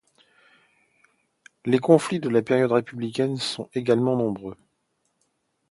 Les conflits de la période républicaine seront également nombreux.